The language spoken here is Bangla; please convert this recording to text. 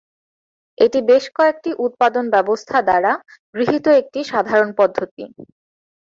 এটি বেশ কয়েকটি উৎপাদন ব্যবস্থা দ্বারা গৃহীত একটি সাধারণ পদ্ধতি।